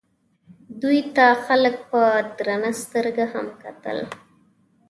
دوی ته خلکو په درنه سترګه هم کتل.